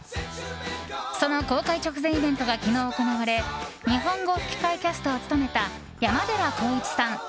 その公開直前イベントが昨日行われ日本語吹き替えキャストを務めた山寺宏一さん